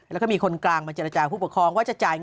แล้วก็มีคนกลางมาเจรจาผู้ปกครองว่าจะจ่ายเงิน